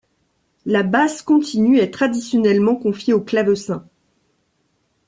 La basse continue est traditionnellement confiée au clavecin.